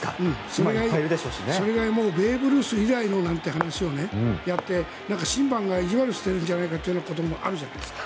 それがベーブ・ルース以来のなんて話をやって審判が意地悪してなんていう話もあるじゃないですか。